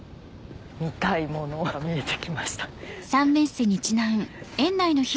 見たいものが見えてきました。